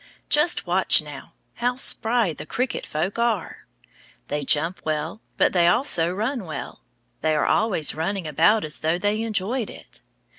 Just watch now! How spry the cricket folk are! They jump well, but they also run well. They are always running about as though they enjoyed it.